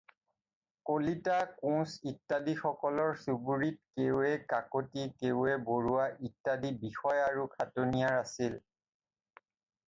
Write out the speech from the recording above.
কলিতা কোঁচ ইত্যাদি সকলৰ চুবুৰিত কেৱে কাকতী, কেৱে বৰুৱা ইত্যাদি বিষয় আৰু খাটনিয়াৰ আছিল।